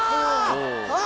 あ！